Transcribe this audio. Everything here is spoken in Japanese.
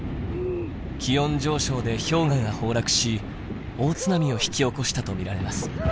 気温上昇で氷河が崩落し大津波を引き起こしたと見られます。